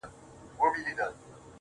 خوشحال په دې يم چي ذهين نه سمه.